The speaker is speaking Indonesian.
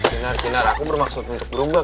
kinar kinar aku bermaksud untuk berubah